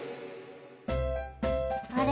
あれ？